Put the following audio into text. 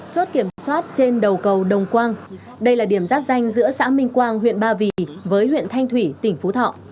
chốt kiểm soát trên đầu cầu đồng quang đây là điểm giáp danh giữa xã minh quang huyện ba vì với huyện thanh thủy tỉnh phú thọ